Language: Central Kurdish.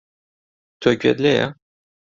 تۆ گوێت لێیە؟